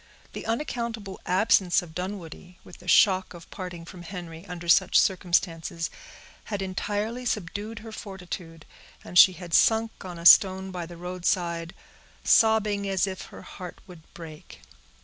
The unaccountable absence of Dunwoodie, with the shock of parting from Henry under such circumstances, had entirely subdued her fortitude, and she had sunk on a stone by the roadside, sobbing as if her heart would break.